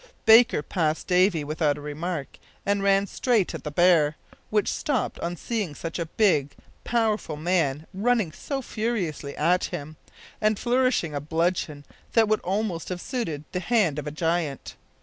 Baker passed Davy without a remark, and ran straight at the bear, which stopped on seeing such a big, powerful man running so furiously at him, and flourishing a bludgeon that would almost have suited the hand of a giant.